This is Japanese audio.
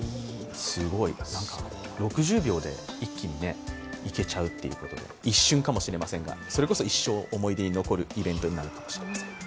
６０秒で一気に行けちゃうということで、一瞬かもしれませんが、それこそ一生思い出になるイベントになるかもしれません。